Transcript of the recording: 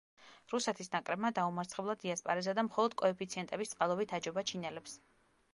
რუსეთის ნაკრებმა დაუმარცხებლად იასპარეზა და მხოლოდ კოეფიციენტების წყალობით აჯობა ჩინელებს.